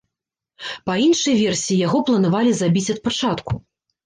Па іншай версіі, яго планавалі забіць ад пачатку.